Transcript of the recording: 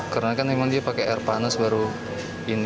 karena kan memang dia pakai air panas baru ini